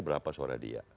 berapa suara dia